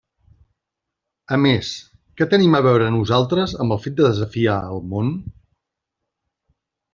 A més, ¿què tenim a veure nosaltres amb el fet de desafiar el món?